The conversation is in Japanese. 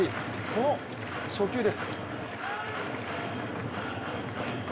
その初球です。